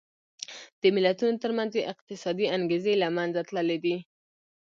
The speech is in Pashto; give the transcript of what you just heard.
د ملتونو ترمنځ یې اقتصادي انګېزې له منځه تللې دي.